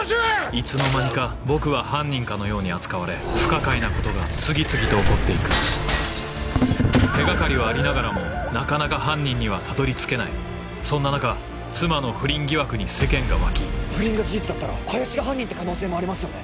いつの間にか僕は犯人かのように扱われ不可解なことが次々と起こって行く手掛かりはありながらもなかなか犯人にはたどり着けないそんな中妻の不倫疑惑に世間が沸き不倫が事実だったら林が犯人って可能性もありますよね？